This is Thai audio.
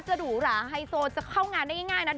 หรูหราไฮโซจะเข้างานได้ง่ายนะ